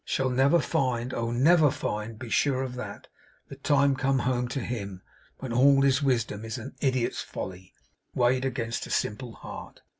shall never find, oh, never find, be sure of that, the time come home to him, when all his wisdom is an idiot's folly, weighed against a simple heart!